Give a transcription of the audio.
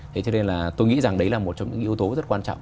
thế cho nên là tôi nghĩ rằng đấy là một trong những yếu tố rất quan trọng